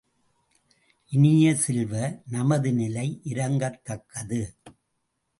இனியசெல்வ, நமது நிலை இரங்கத்தக்கது.